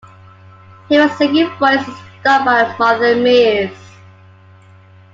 Hayworth's singing voice was dubbed by Martha Mears.